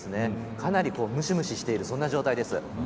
かなり、むしむししているそんな状態です。